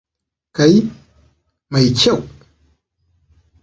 Kai, mai kyau!